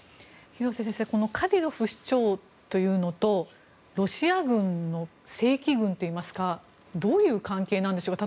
廣瀬先生カディロフ首長というのとロシアの正規軍はどのような関係なんでしょうか。